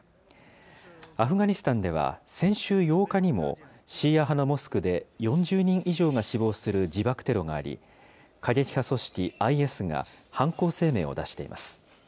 アフガニスタンでは先週８日にも、シーア派のモスクで４０人以上が死亡する自爆テロがあり、過激派組織ＩＳが犯行声明を出しています。